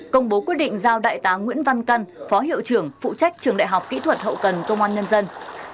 công bố quyết định giao đại tá nguyễn văn căn phó hiệu trưởng phụ trách trường đại học kỹ thuật hậu cần công an nhân dân